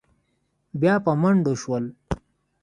بيا په منډو شول.